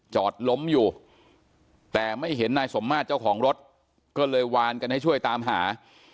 ล้มอยู่แต่ไม่เห็นนายสมมาตรเจ้าของรถก็เลยวานกันให้ช่วยตามหา